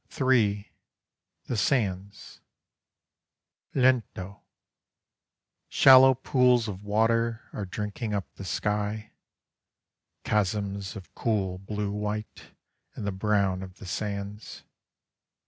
(3) THE SANDS Lento. Shallow pools of water Are drinking up the sky; Chasms of cool blue white In the brown of the sands.